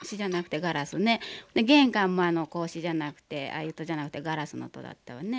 玄関もあの格子じゃなくてああいう戸じゃなくてガラスの戸だったわね。